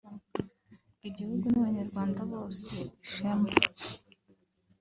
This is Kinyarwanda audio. igihugu n’abanyarwanda bose ishema